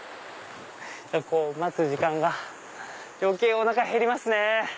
待つ時間が余計お腹へりますね。